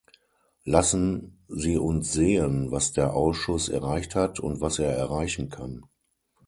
Lassen Sie uns sehen, was der Ausschuss erreicht hat und was er erreichen kann.